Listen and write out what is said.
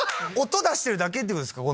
音出してるだけってことですか？